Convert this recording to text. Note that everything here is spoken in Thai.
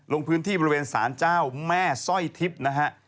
ลงพื้นที่บริเวณสารเจ้าแม่สร้อยทิพย์นะฮะ